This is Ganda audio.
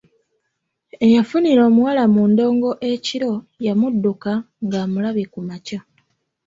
Eyafunira omuwala mu ndongo ekiro yamudduka ng'amulabye ku makya.